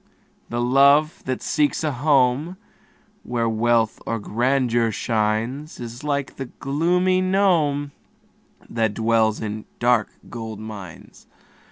The love that seeks a home Where wealth or grandeur shines, Is like the gloomy gnome, That dwells in dark gold mines.